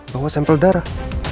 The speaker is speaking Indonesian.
bawa sampel darah